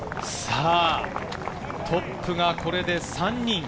トップがこれで３人。